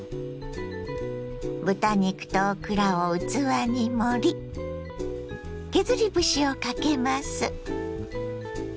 豚肉とオクラを器に盛り削り節をかけます。